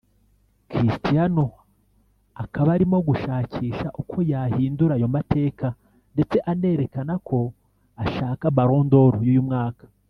Christiano akaba arimo gushakisha uko yahindura ayo mateka ndetse anerekana ko ashaka Ballon d’or y’uyu mwaka